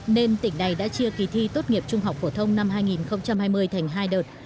nên tỉnh này đã chia kỳ thi tốt nghiệp trung học phổ thông năm hai nghìn hai mươi thành hai đợt